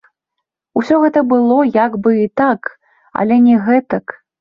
Усё гэта было як бы і так, але не гэтак.